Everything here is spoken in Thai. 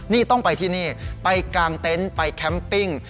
นี่ต้องไปที่นี่ไปกางเต็นต์ไปแคมปิ้ง